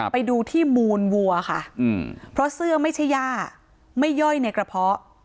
ไปดูที่มูลวัวค่ะเพราะเสื้อไม่ใช่ย่าไม่ย่อยในกระเพาะ